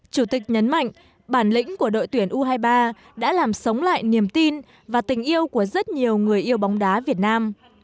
chủ tịch nhấn mạnh bản lĩnh của đội tuyển u hai mươi ba đã làm sống lại niềm tin và tình yêu của rất nhiều người yêu bóng đá việt nam